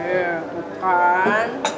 iya tuh kan